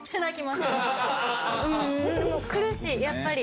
うんもう苦しいやっぱり。